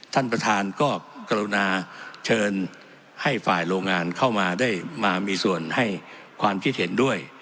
ท่านประธานก็กรุณาเชิญให้ฝ่ายโรงงานเข้ามาได้มามีส่วนให้ความคิดเห็นด้วย